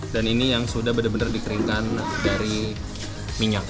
dan ini yang sudah benar benar dikeringkan dari minyak